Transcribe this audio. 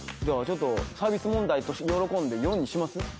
じゃあちょっとサービス問題として喜んで４にします？